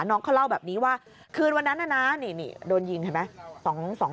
น้องเขาเล่าแบบนี้ว่าคืนวันนั้นน่ะนะนี่โดนยิงเห็นไหม